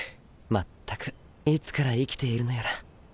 まったくいつから生きているのやら。